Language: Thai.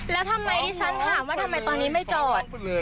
แล้วทำไมที่ฉันถามว่าทำไมตอนนี้ไม่จอด